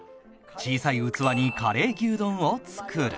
小さい器にカレー牛丼を作る